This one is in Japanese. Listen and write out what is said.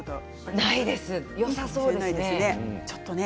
ないです、よさそうですね。